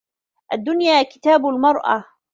الدنيا كتاب المرأة.